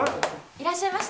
いらっしゃいました。